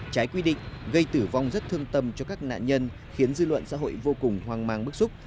trái quy định gây tử vong rất thương tâm cho các nạn nhân khiến dư luận xã hội vô cùng hoang mang bức xúc